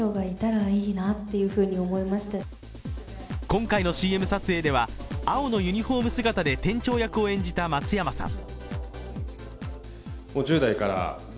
今回のＣＭ撮影では青のユニフォーム姿で店長役を演じた松山さん。